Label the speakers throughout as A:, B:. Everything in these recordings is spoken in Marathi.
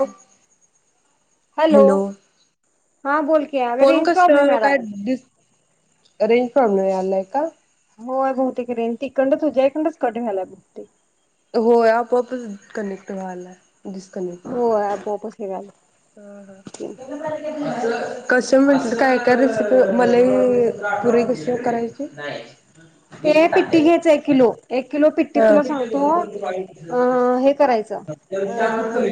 A: लो हॅलो
B: हा बोल की अगं
A: फोण
B: रेंज
A: कस
B: प्रॉब्लेम यायला
A: काय
B: लागलाय.
A: दिस रेंज प्रॉब्लेम यालाय का?
B: होय बहुतेक रेंज तिकडनच तूज्या इकडच कट व्हायला बहुतेक
A: होय आपोआपस कनेक्ट व्हाल्याय.
B: हो आपोआपच हे व्हायलय
A: हा, हा कस मे काय काय रेसिपी? मलई पुरी कशी करायची?
B: ते पिट्टी घ्यायच एक किलो, एक किलो पिट्टी तुला सांगतो हे करायचं अ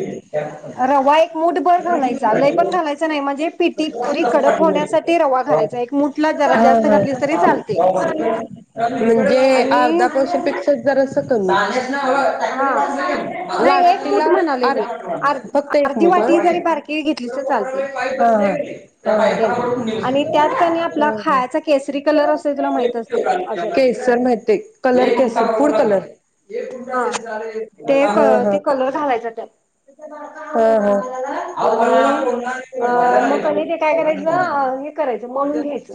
B: रवा एक मु कुट भर घालायचा लई पण घालायचा नाही म्हणजे पिठी पुरी कडक होण्यासाठी रवा
A: हा.
B: घालायचा एक मुठला जरा जास्त घातलीस तरी चालतंय.
A: हो हो म्हणजे अर्धा पावशेर पेक्षा जरास कमी.
B: हा नाही एक मूठ
A: लाटीला
B: म्हणाले
A: आर
B: मी अर्
A: फक्त एक
B: अर्धी
A: मुठ. हा हा
B: वाटी जरी बारकी घेतलीस तर चालते
A: हा हा
B: तेन
A: ह्
B: आणि त्यात कणी आपला खायचा केसरी कलर असतोय तुला माहित असतय असल
A: केशर माहिती कलर केशर
B: हम्म
A: फूड कलर.
B: हा. ते क
A: हा
B: ते कलर घालायच त्यात.
A: अहं.
B: आणि अ मग कनी ते काय करायचं अ
A: हा
B: हं हे करायचं मळून घ्यायचं.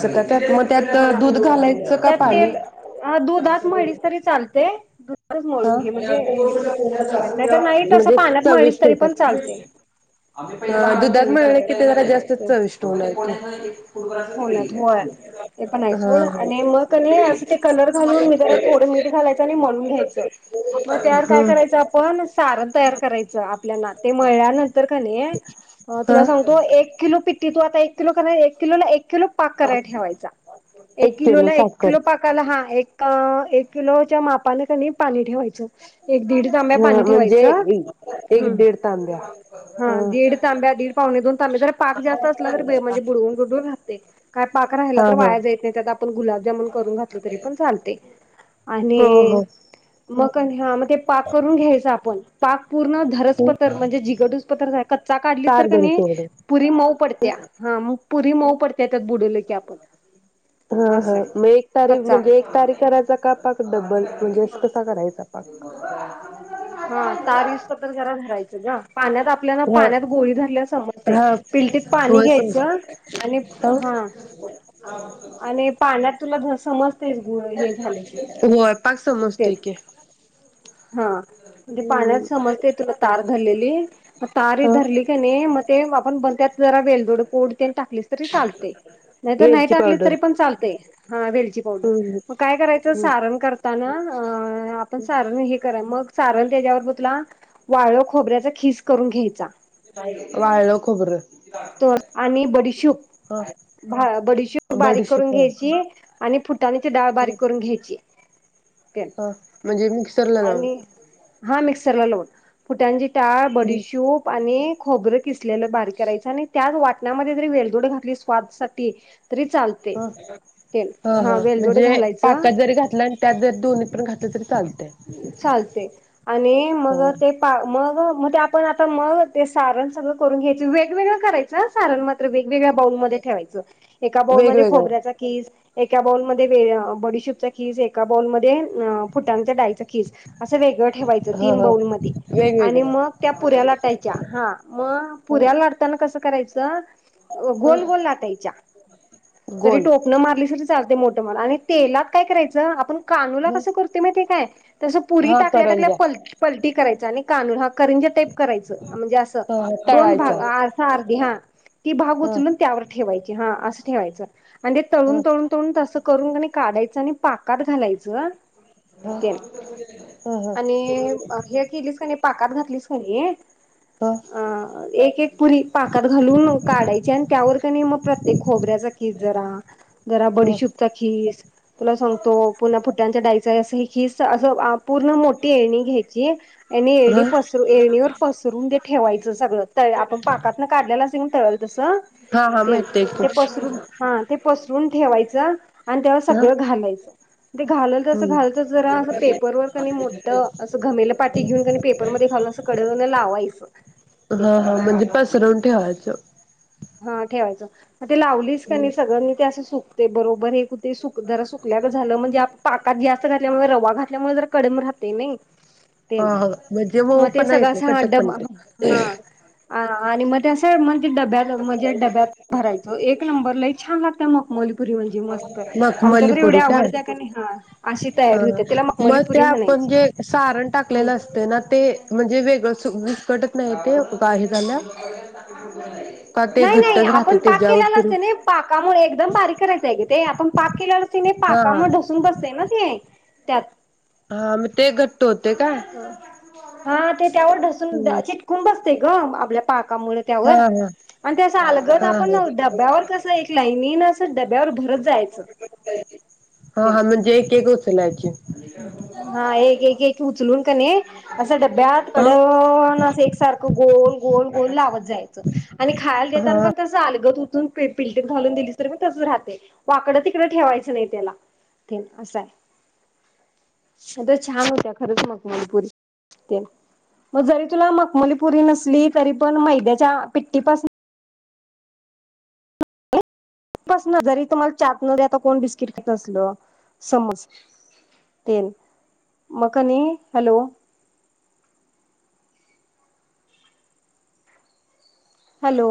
A: [unintelligible] त्यात मग त्यात
B: हा
A: दूध घालायचं का
B: त्यात
A: पाणी?
B: तेल हा दुधात मळलीस तरी चालते दुधातच मळून
A: हं
B: घे म्हणजे हे नाहीतर नाही तसं
A: म्हणजे
B: पाण्यात मळलीस
A: चविष्ट
B: तरी पण
A: होत्यात.
B: चालते
A: अहं
B: हा
A: दुधात
B: चविष्ट
A: मळले की ते जरा जास्तचं चविष्ट होणार की.
B: हो होय ते पण आहे
A: हा
B: सोड
A: हा.
B: आणि मग कणी असं ते कलर घालून वेगेरा थोडं मीठ घालायच आणि मळून घ्यायचं मग त्यावर काय करायचं आपण सारण तयार करा करायचं आपल्याला ते मळल्यानंतर कणी
A: ह हा
B: तुला सांगतो एक किलो पिठी तू आता किती लोकांना एक? किलो ला एक किलो पाक कराय ठेवायचा एक
A: किलो
B: किलोला एक
A: साखर.
B: किलो पाकाला हा एक ह् एक किलोच्या मापानं कणी पाणी ठेवाय एक दीड तांब्या
A: ह
B: पाणी
A: म्हणजे
B: ठेवायचं
A: एक
B: हम्म
A: दीड तांब्या ह
B: हा दीड तांब्या दीड पावणे दोन तांब्या जर पाक जास्त असला तर म्हणजे बुडवून जर राहतय काय पाक राहिला
A: हा
B: तर
A: हा.
B: वाया जातं नाही त्यात आपण गुलाबजामुन करून घातलं तरी पण चालतयं
A: हो
B: आणि
A: हो
B: मग कणी हा ते पाक करून घ्यायचं आपण पाक पूर्ण धरस पथर म्हणजे जिगड हुस पथर कच्चा काढलासं तर
A: तार
B: कणी
A: गणित
B: पुरी मऊ पडत्या हा मग पुरी मऊ पडती
A: ह
B: असं आहे.
A: हं मग एक तारी
B: कच्चा
A: म्हणजे एक तारी करायचा का पाक डबल? म्हणजे
B: हा
A: कसा करायचा? पाक
B: हा. तार येऊस तो पर्यंत जरा धरायचं गं. पाण्यात आपल्या
A: हा
B: पाण्यात गोळी धरल्या समजतयं
A: हा
B: पिलटीत पाणी
A: होय समज
B: घ्यायचं आणि ह आणि पाण्यात तुला समजतयं बो हे झाले की तेच
A: ठिक हे.
B: हा म्हणजे पाण्यात समजतयं तुला तार धरलेली, मग तार ही
A: हा
B: धरली कणी मग ते आपण जरा वेलदोड पुड तेण टाकलीस तरी चालतयं, नाहीतर नाही
A: वेलची
B: टाकली
A: पावडर
B: तरी पण चालतंय. हा वेलची पावडर.
A: हम्म
B: मग काय करायचं
A: हम्म
B: सारण करताना अ आपण सारण हे करा मग सारण त्याच्या बरोबर तुला वाळ खोबऱ्याचा खीस करून घ्यायचा.
A: वाळ खोबर
B: तो आणि बडीशूप
A: हा
B: बडीशूप बारीक करून
A: बडीशेप हा
B: घ्यायची आणि फुटाण्याची डाळ बारीक करून घ्यायची.
A: हा म्हणजे मिक्सरला लाऊन.
B: चला लावून फुटाण्याची डाळ, बडीशूप आणि खोबरं किसलेल बारीक करायच आणि त्याच वाटणामध्ये जरी वेलदोड घातलीस स्वादसाठी तरी चालते
A: ह
B: ते
A: ह ह,
B: हा वेलदोडे
A: म्हणजे
B: घालायचं
A: पाकात जरी घातला त्यात जरी दोन्हीत पण घात ल तरी चाल
B: चालते आणि मग
A: ह
B: ते पा मग मग ते आपण आता मग ते सारण सगळं करून घ्यायच वेगवेगळं करायचं सारण वेगवेगळ्या बाऊलमध्ये ठेवायचं. एका
A: वेगवेगळं
B: बाऊलमध्येखोबऱ्याचा कीस एका एका बाऊल मध्येे बडीशूपचा खीस, एका बाऊल मध्ये फुटाण्याच्या डाळीचा कीस. असं वेगळं ठेवायचं
A: हा
B: तीन
A: हा
B: बाऊलमध्ये आणि
A: वेगवेगळे
B: मग त्या पुऱ्या लाटायच्या हा, मग
A: ह
B: पुऱ्या लाटताना कसं करायचं
A: ह
B: गोल गोल लाटायच्या जरी
A: गोल
B: टोपन मारली तरी चालतय मोठ आणि तेलात काय करायचं आपण कानुला
A: ह
B: कसं करतोय माहिती आहे काय? तसं पुरी
A: हा
B: टाकल्या टाकल्या
A: करंजा
B: पलटी करायच आणि कानू हा करंजी टाईप करायच, म्हणजे असं
A: ह ह
B: दोन
A: तळायच्या
B: भाग अस अर्धी हा ती भाग
A: ह
B: उचलून त्यावर ठेवायची हा अस ठेवायचं. आणि ते
A: ह
B: तळून तळून तळून तसं करून क काढायचं आणि पाकात घालायचं
A: ह ह
B: ते
A: ह
B: आणि हे केलीस नाही पाकात घातलीस का नाही
A: ह
B: अ एक एक पुरी पाकात घालून काढायची आणि त्यावर मग प्रत्येक खोबऱ्याचा खीस जरा, जरा
A: ह
B: बडीशूपचा खीस, तुला सांगतो पुन्हा फुट्यांच्या डाईचा अस खीस असं पूर्ण मोठी येळणी घ्यायची आणि एळणी
A: ह
B: पसर येळणीवर पसरून ते ठेवायचं सगळं तळ आपण पाकातन काढलेला असतंय बघ तळल तसं
A: हा हा
B: तेन
A: मग ते [inaudible]
B: पसरून हा ते पसरून ठेवायच आणि त्या सगळं घालायचं ते घालल तस
A: हम्म
B: घालल तस जरा पेपर वर कणी मोठं असं घमेल पाटी घेऊन क नी पेपरमध्ये घालुन कडवरन लावायचं. ते
A: हा हा म्हणजे पसरवून ठेवायचं.
B: हा ठेवायचं मग ते लावलीस का नाही, सगळ्यांनी ते असं सुकते बरोबर हे कुठे सु जरा सुकल्या ग झालं म्हणजे, पाकात जास्त घातल्यामुळे रवा घातल्यामुळे जर कडम राहतय नाई तेन
A: हा हा म्हणजे
B: मग
A: मऊ
B: ते
A: पण
B: सगळं
A: येत
B: अस
A: नाही
B: हा
A: कटक पण
B: डबा
A: येत
B: हा हा आणि मग ते असं म्ह डब्यात म्हणजे डब्यात भरायच एक नंबर लय छान लागत मकमली.
A: मखमली पुरी काय
B: आवडत्या का नाही हा अशी
A: हा
B: तयारी होते त्याला मखमली
A: मग ते
B: पुरी
A: आपण
B: म्हणायची.
A: जे सारण टाकलेलं, असते ना ते म्हणजे वेगळ [unintelligible] घटत नाही ये बाही झाल
B: नाही नाही आपण पाक केलेला असतोय, नाई पाकामुळे एकदम बारीक करायचय गं ते ते आपण पाक के लेलो असतं, नाही
A: हा
B: पाकामुळे ढसून बसते ना ते. त्यात
A: हा मी ते घट
B: हा हा ते त्यावर ढसून
A: हम्म
B: चिटकून बसते ग, आपल्या पाकामुळे
A: हा
B: त्यावर
A: हा
B: आणि तें आलगत
A: हा
B: आपण डब्यावर कस एक लाईनीन च [unintelligible]
A: हा
B: हे
A: हां म्हणजे एक एक उचलायचं
B: हा एक एक एक उचलून का नाही, असं डब्यात
A: ह
B: कडन अस एक सारखं गोल गोल गोल लावत जायचं, आणि खायला
A: हा
B: देताना पण तस आलगत उच त्तुन पीप पिल्टीत घालून दिलीस तर, मी तसच राहते, वाकडं तिकड ठेवायचं नाही, त्याला तेन असंय. सगळं छान होत्या खरंच, मखमलीपुरी तेन मग जरी तुला मखमलीपुरी नसली, तरी पण मैद्याच्या पिट्टीपासून [unintelligible] जरी तुम्हाला चाात न आता कोण बिस्किट खात नसल समज तेन मग कनी हॅलो हॅलो.